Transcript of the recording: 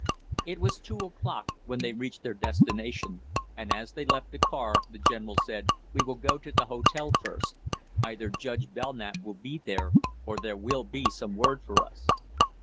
It was two o'clock when they reached their destination, and as they left the car the general said: "We will go to the hotel first. Either Judge Belknap will be there, or there will be some word for us."